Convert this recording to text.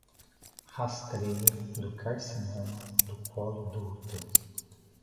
Rastreio do Carcinoma do Colo do Útero